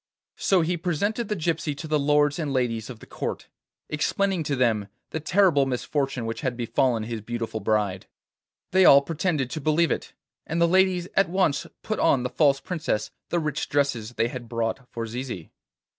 So he presented the gypsy to the lords and ladies of the Court, explaining to them the terrible misfortune which had befallen his beautiful bride. They all pretended to believe it, and the ladies at once put on the false princess the rich dresses they had brought for Zizi.